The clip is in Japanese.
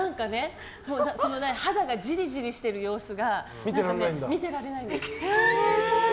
肌がじりじりしてる様子が見てられないんです。